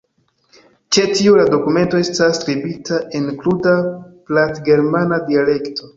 Ĉe tio la dokumento estas skribita en kruda platgermana dialekto.